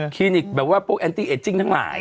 คลินิกแบบว่าพวกแอนตี้เอจจิ้งทั้งหลาย